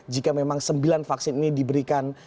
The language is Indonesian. jika memang sembilan vaksin ini diberikan